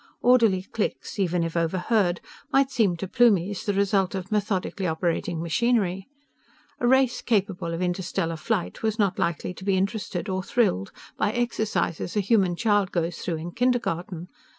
Orderly clicks, even if overheard, might seem to Plumies the result of methodically operating machinery. A race capable of interstellar flight was not likely to be interested or thrilled by exercises a human child goes through in kindergarten.